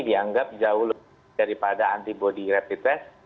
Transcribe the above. dianggap jauh lebih daripada antibody rapid test